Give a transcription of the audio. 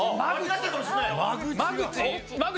間口？